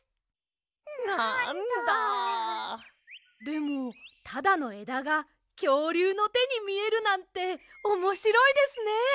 でもただのえだがきょうりゅうのてにみえるなんておもしろいですね。